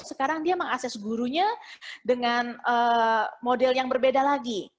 sekarang dia mengakses gurunya dengan model yang berbeda lagi